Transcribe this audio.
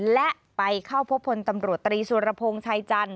และไปเข้าพบพลตำรวจตรีสุรพงศ์ชายจันท